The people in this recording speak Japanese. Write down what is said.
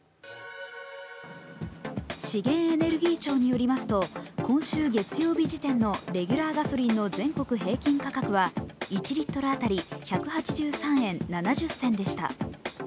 資源エネルギー庁によりますと今週月曜日時点のレギュラーガソリンの全国平均価格は１リットル当たり１８３円７０銭でした。